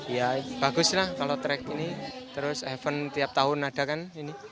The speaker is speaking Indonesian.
ya bagus lah kalau track ini terus event tiap tahun ada kan ini